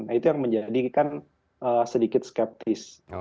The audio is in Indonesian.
nah itu yang menjadikan sedikit skeptis